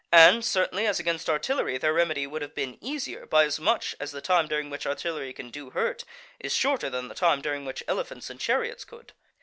And, certainly, as against artillery, their remedy would have been easier, by as much as the time during which artillery can do hurt is shorter than the time during which elephants and chariots could.